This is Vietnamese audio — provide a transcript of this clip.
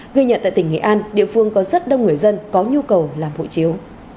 ghi nhận tại tỉnh nghệ an địa phương có rất đông người dân có nhu cầu làm hộ chiếu